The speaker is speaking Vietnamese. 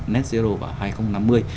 net zero vào hai nghìn năm mươi